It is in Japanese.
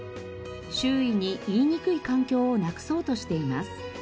周囲に言いにくい環境をなくそうとしています。